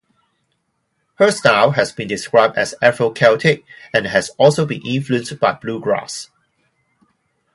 Her style has been described as "Afro-Celtic" and has also been influenced by bluegrass.